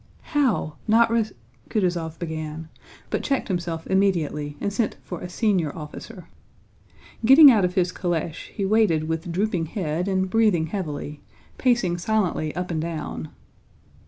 "How! Not rec..." Kutúzov began, but checked himself immediately and sent for a senior officer. Getting out of his calèche, he waited with drooping head and breathing heavily, pacing silently up and down.